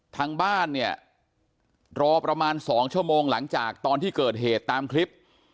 ทางบ้านเนี่ยรอประมาณ๒ชั่วโมงหลังจากตอนที่เกิดเหตุตามคลิป